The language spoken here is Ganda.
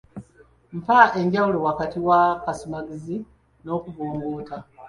Mpa enjawulo wakati w'akasumagizi n'okubongoota?